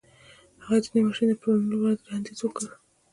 هغه د دې ماشين د پلورلو وړانديز وکړ.